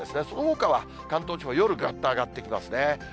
そのほかは、関東地方、夜ぐっと上がってきますね。